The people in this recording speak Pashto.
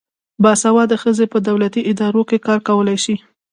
باسواده ښځې په دولتي ادارو کې کار کولای شي.